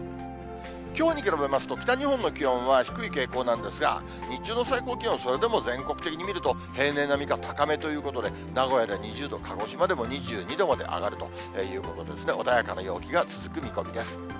きょうに比べますと、北日本の気温は低い傾向なんですが、日中の最高気温、それでも全国的に見ると平年並みか高めということで、名古屋で２０度、鹿児島でも２２度まで上がるということで、穏やかな陽気が続く見込みです。